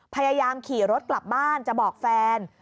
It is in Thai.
พยายามขี่รถกลับบ้านจะบอกแฟน